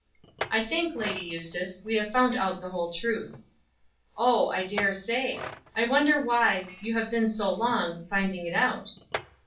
"I think, Lady Eustace, we have found out the whole truth." "Oh, I daresay. I wonder why you have been so long finding it out."